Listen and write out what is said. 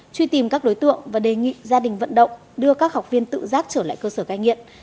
truy tìm các đối tượng và đề nghị gia đình vận động đưa các học viên tự giác trở lại cơ sở cai nghiện